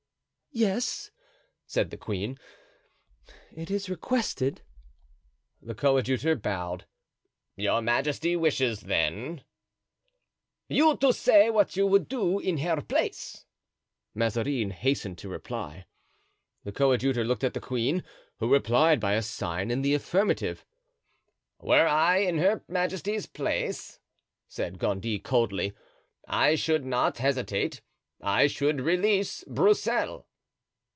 "Yes," said the queen, "it is requested." The coadjutor bowed. "Your majesty wishes, then——" "You to say what you would do in her place," Mazarin hastened to reply. The coadjutor looked at the queen, who replied by a sign in the affirmative. "Were I in her majesty's place," said Gondy, coldly, "I should not hesitate; I should release Broussel."